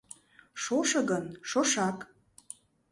Шошо гын — шошак.